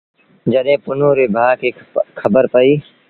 جڏهيݩ پنهون ري ڀآن کي پئيٚ۔